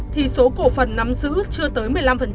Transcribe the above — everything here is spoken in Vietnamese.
thì số cổ phần nắm giữ chưa tới một mươi năm